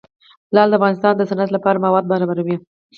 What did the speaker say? لعل د افغانستان د صنعت لپاره مواد برابروي.